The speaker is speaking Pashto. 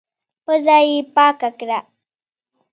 پزه يې پاکه کړه.